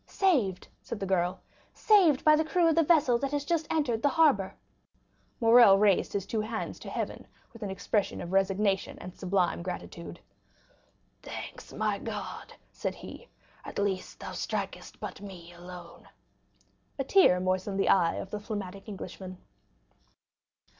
"Saved," said the girl; "saved by the crew of the vessel that has just entered the harbor." Morrel raised his two hands to heaven with an expression of resignation and sublime gratitude. "Thanks, my God," said he, "at least thou strikest but me alone." A tear moistened the eye of the phlegmatic Englishman.